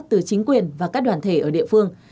từ chính quyền và các đoàn thể ở địa phương